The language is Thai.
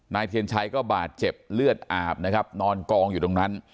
เทียนชัยก็บาดเจ็บเลือดอาบนะครับนอนกองอยู่ตรงนั้น